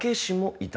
いた！